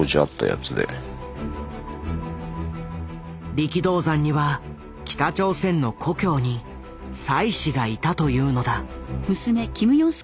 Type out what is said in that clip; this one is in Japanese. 力道山には北朝鮮の故郷に妻子がいたというのだ。